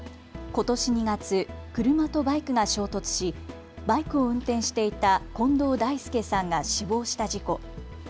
ことし２月、車とバイクが衝突しバイクを運転していた近藤大輔さんが死亡した事故。